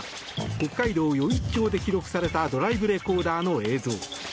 北海道余市町で記録されたドライブレコーダーの映像。